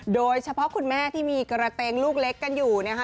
โดยเฉพาะคุณแม่ที่มีกระเตงลูกเล็กกันอยู่นะคะ